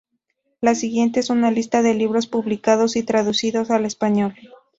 La siguiente es una lista de libros publicados y traducidos al español.